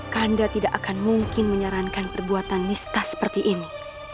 kanda tidak akan mungkin menyarankan perbuatan nista seperti ini